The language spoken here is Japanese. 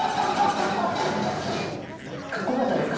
かっこよかったですか？